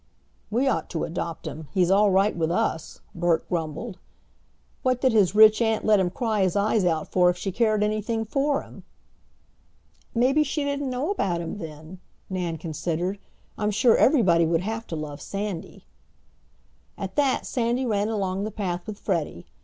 "We ought to adopt him; he's all right with us," Bert grumbled. "What did his rich aunt let him cry his eyes out for if she cared anything for him?" "Maybe she didn't know about him then," Nan considered. "I'm sure everybody would have to love Sandy." At that Sandy ran along the path with Freddie.